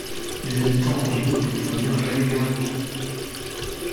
Les habitants originaux étaient les indiens Jaega.